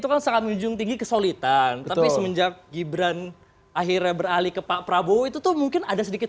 lagi kesolidan tapi semenjak gibran akhirnya beralih ke pak prabowo itu tuh mungkin ada sedikit